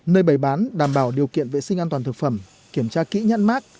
nơi bày bán đảm bảo điều kiện vệ sinh an toàn thực phẩm kiểm tra kỹ nhãn mát